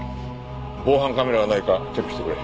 防犯カメラがないかチェックしてくれ。